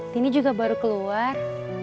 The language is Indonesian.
tini juga baru keluar